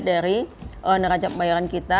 dari neraca pembayaran kita